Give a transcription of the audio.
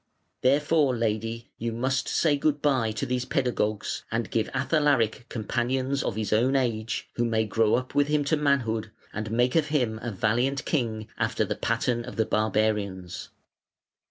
Therefore, lady, you must say 'good bye' to these pedagogues, and give Athalaric companions of his own age, who may grow up with him to manhood and make of him a valiant king after the pattern of the barbarians".